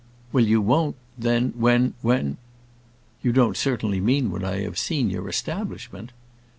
"Well, you won't, then, when—when—" "You don't certainly mean when I have seen your establishment?"